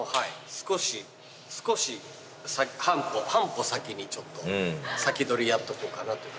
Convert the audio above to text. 少し少し半歩先にちょっと先取りやっとこうかなという感じです。